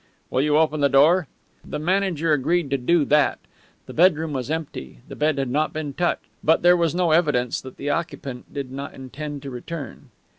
"Will you open the door?" The manager agreed to do that. The bedroom was empty. The bed had not been touched. But there was no evidence that the occupant did not intend to return.